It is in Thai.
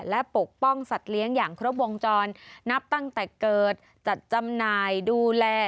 และปกป้องสัตว์เลี้ยงอย่างครบวงจรนับตั้งแต่เกิดจัดจำหน่ายดูแล